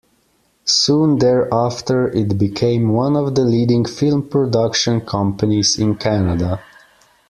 Soon thereafter, it became one of the leading film production companies in Canada.